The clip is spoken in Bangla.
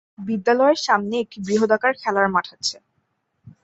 বিদ্যালয়ের সামনে একটি বৃহদাকার খেলার মাঠ আছে।